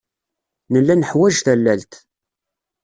Nella neḥwaj tallalt.